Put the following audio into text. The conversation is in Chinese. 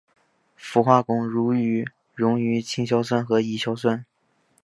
氟化汞溶于氢氟酸和稀硝酸。